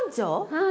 はい。